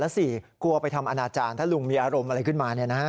และสี่กลัวไปทำอนาจารย์ถ้าลุงมีอารมณ์อะไรขึ้นมาเนี่ยนะ